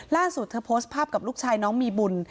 ล่าสุดเธอโพสต์ภาพกับลูกชายน้องมีบุญ